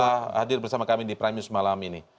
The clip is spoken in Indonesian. sudah hadir bersama kami di prime news malam ini